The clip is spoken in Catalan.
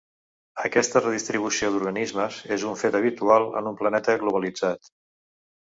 Aquesta redistribució d’organismes és un fet habitual en un planeta globalitzat.